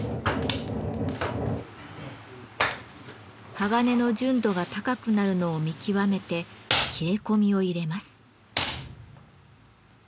鋼の純度が高くなるのを見極めて切れ込みを入れます。